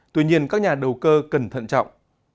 tuy nhiên các nhà đầu cơ cần thận trọng